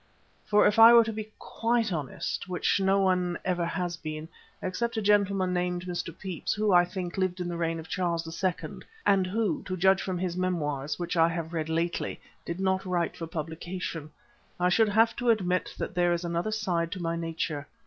For if I were to be quite honest, which no one ever has been, except a gentleman named Mr. Pepys, who, I think, lived in the reign of Charles II, and who, to judge from his memoirs, which I have read lately, did not write for publication, I should have to admit that there is another side to my nature.